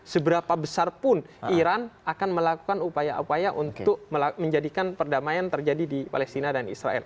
seberapa besar pun iran akan melakukan upaya upaya untuk menjadikan perdamaian terjadi di palestina dan israel